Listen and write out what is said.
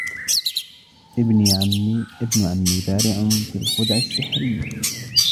ابن عمي بارع في الخدع السحرية.